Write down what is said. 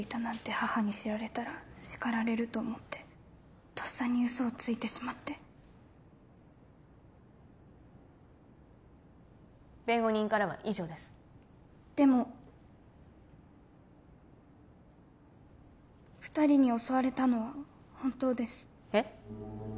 母に知られたら叱られると思ってとっさに嘘をついてしまって弁護人からは以上ですでも２人に襲われたのは本当ですえっ？